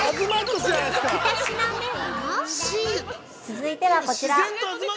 ◆続いてはこちら。